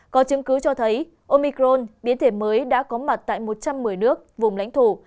có chứng cứ cho thấy omicron biến thể mới đã có mặt tại một trăm một mươi nước vùng lãnh thổ